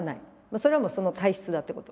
それはもうその体質だってこと？